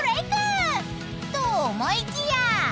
［と思いきや］